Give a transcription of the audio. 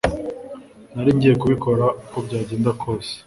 nari ngiye kubikora uko byagenda kose